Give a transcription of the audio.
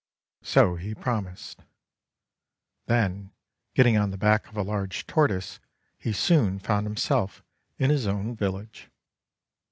So he promised. Then getting on the back of a large Tortoise, he soon found himself in his own village.